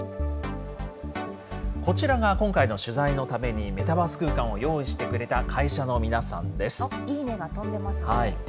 こちらが今回の取材のためにメタバース空間を用意してくれたいいねが飛んでますね。